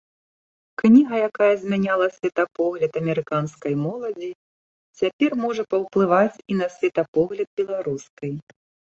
Кніга, якая змяняла светапогляд амерыканскай моладзі, цяпер можа паўплываць і на светапогляд беларускай.